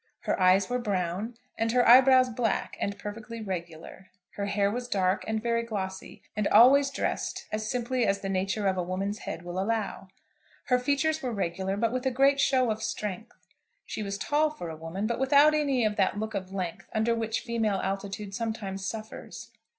Her eyes were brown, and her eye brows black, and perfectly regular. Her hair was dark and very glossy, and always dressed as simply as the nature of a woman's head will allow. Her features were regular, but with a great show of strength. She was tall for a woman, but without any of that look of length under which female altitude sometimes suffers.